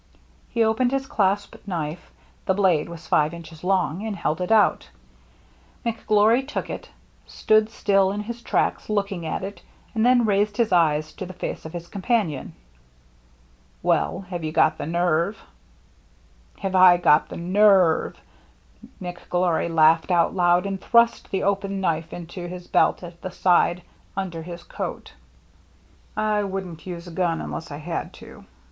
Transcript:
He opened his dasp knife — the blade was five inches long — and held it out« McGlory took it, stood still in his tracks looking at it, and then raised his eyes to the face of his companion. " Well — have you got the nerve ?"" Have I got the nerve !" McGlory laughed out loud, and thrust the open knife into his belt, at the side, under his coat. ^'I wouldn't use a gun unless I had to."